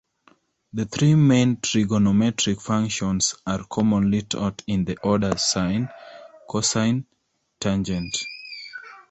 The three main trigonometric functions are commonly taught in the order sine, cosine, tangent.